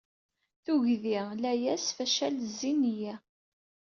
Tugdi, layas, facal zzin-iyi.